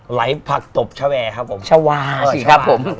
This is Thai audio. ไหลผักตบชาวแอร์ครับผมชาวาสิครับผม